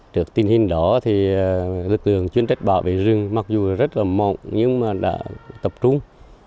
trước tình hình đó lực lượng chuyên trách bảo vệ rừng mặc dù rất mỏng nhưng đã tập trung